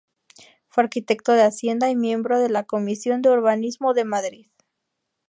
Fue arquitecto de Hacienda y miembro de la Comisión de Urbanismo de Madrid.